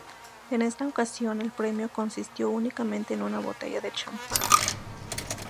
En esta ocasión el premio consistió, únicamente en una botella de champán.